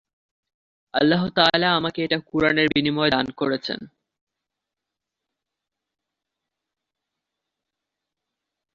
আল্লাহ তাআলা আমাকে এটা কুরআনের বিনিময়ে দান করেছেন।